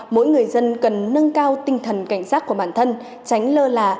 mỗi người dân cần nâng cao tinh thần cảnh giác của bản thân tránh lơ là